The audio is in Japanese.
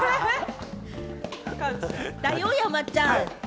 だよ、山ちゃん。